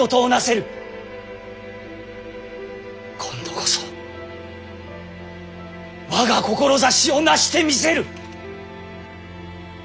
今度こそ我が志をなしてみせる！